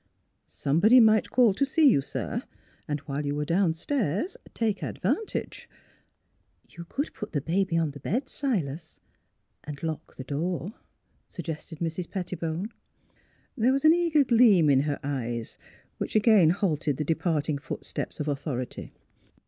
"Somebody might call to see you, sir; and while you were downstairs take advantage "" You could put the baby on the bed, Silas, and lock the door," suggested Mrs. Pettibone. There was an eager gleam in her eyes which again halted the departing footsteps of authority.